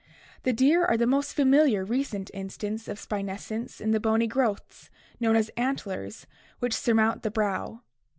The deer are the most familiar recent instance of spinescence in the bony growths known as antlers which surmount the brow.